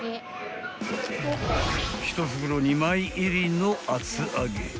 ［１袋２枚入りの厚揚げ］